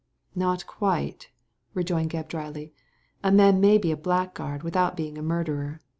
" Not quite," rejoined Gebb, dryly ;" a man may be a blackguard without being a murderer.